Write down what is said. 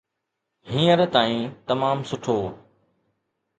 هينئر تائين تمام سٺو.